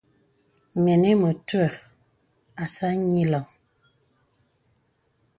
Mìnī mətuə̀ àsā nyìləŋ.